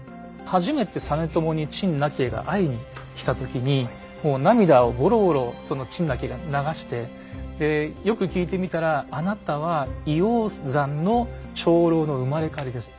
初めて実朝に陳和が会いに来た時に涙をぼろぼろその陳和が流してでよく聞いてみたらあなたは医王山の長老の生まれ変わりです。